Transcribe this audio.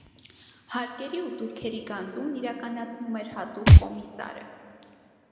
Հարկերի ու տուրքերի գանձումն իրականացնում էր հատուկ կոմիսարը։